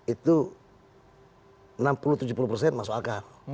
itu enam puluh tujuh puluh persen masuk akal